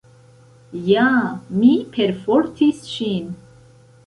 Ja, mi perfortis ŝin.